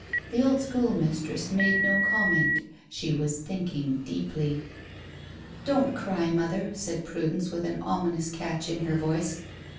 The old school mistress made no comment; she was thinking deeply. "Don't cry, mother," said Prudence, with an ominous catch in her voice.